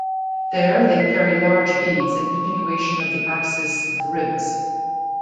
There they carry large beads in continuation of the axes of the ribs.